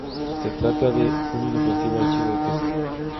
Se trata de un inofensivo archivo de texto.